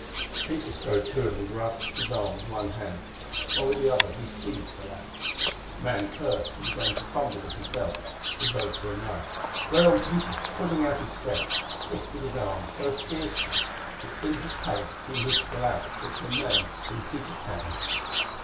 Peter strode to him and grasped his arm with one hand, while with the other he seized the lamp. The man cursed, and began to fumble at his belt, as though for a knife, whereon Peter, putting out his strength, twisted his arm so fiercely that in his pain he loosed the lamp, which remained in Peter's hand.